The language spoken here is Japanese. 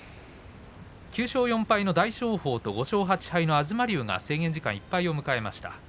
９勝４敗の大翔鵬と５勝８敗の東龍が制限時間いっぱいを迎えました。